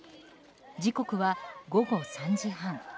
時刻は午後３時半。